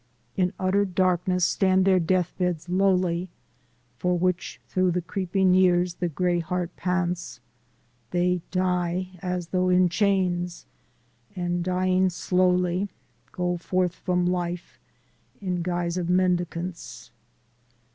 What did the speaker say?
In utter darkness stand their deathbeds lowly For which through the creeping years the gray heart pants They die as though in chains, and dying slowly, Go forth from life in guise of mendicants.